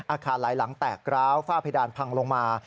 อาคารหลายหลังแตกร้าวฝ้าเพดานพังลงมา